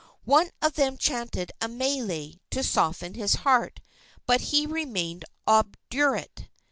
One of them chanted a mele to soften his heart, but he remained obdurate.